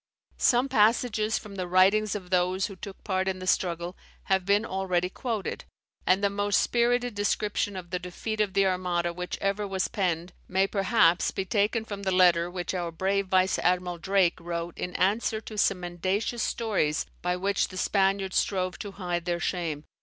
Some passages from the writings of those who took part in the struggle, have been already quoted; and the most spirited description of the defeat of the Armada which ever was penned, may perhaps be taken from the letter which our brave vice admiral Drake wrote in answer to some mendacious stories by which the Spaniards strove to hide their shame.